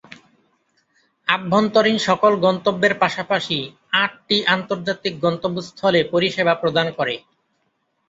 আভ্যন্তরীণ সকল গন্তব্যের পাশাপাশি আটটি আন্তর্জাতিক গন্তব্যস্থলে পরিসেবা প্রদান করে।